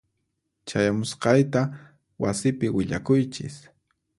Chayamusqayta wasipi willakuychis.